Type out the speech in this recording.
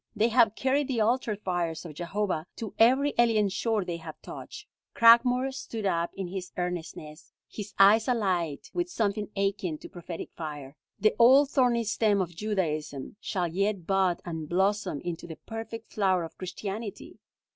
They have carried the altar fires of Jehovah to every alien shore they have touched." Cragmore stood up in his earnestness, his eyes alight with something akin to prophetic fire. "The old thorny stem of Judaism shall yet bud and blossom into the perfect flower of Christianity!"